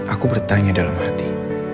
aku bertanya dalam hati